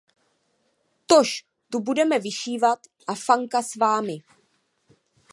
Tož tu budete vyšívat, a Fanka s vámi.